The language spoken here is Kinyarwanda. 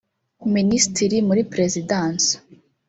Minisitiri muri Perezidansi